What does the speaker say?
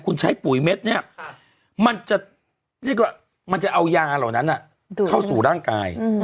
คุณใช้ปุ๋ยเม็ดเนี่ยมันจะเอายาเหล่านั้นเข้าสู่ร่างกาย